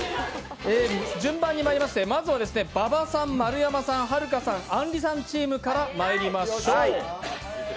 順番にまいりまして、馬場さん、丸山さん、はるかさん、あんりさんチームからまいりましょう。